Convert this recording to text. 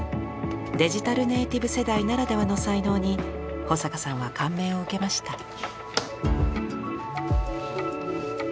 デジタルネイティブ世代ならではの才能に保坂さんは感銘を受けました。